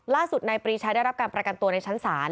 ล่าสุดนายปรีชาได้รับการประกันตัวในชั้นศาล